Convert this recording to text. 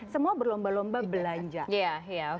semua berlomba lomba belanja